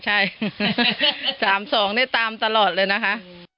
ใช่๓๒นี่ตามตลอดเลยนะคะ